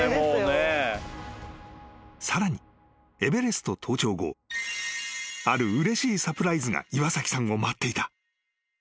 ［さらにエベレスト登頂後あるうれしいサプライズが岩崎さんを待っていた］